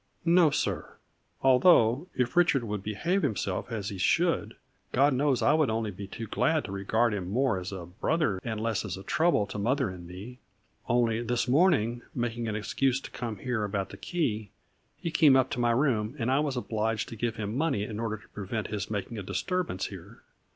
"" No, sir; although, if Richard would behave himself as he should, God knows I would only be too glad to regard him more as a brother and less as a trouble to mother and me. Only this morning, making an excuse to come here about the key, he came up to my room, and I was obliged to give him money in order to prevent his making a disturbance here.